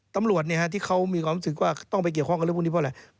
ตำรวจที่เขามีความรู้สึกว่าต้องไปเกี่ยวข้องกับเรื่องพวกนี้เพราะอะไร